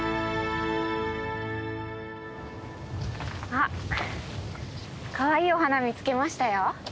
あっかわいいお花見つけましたよ。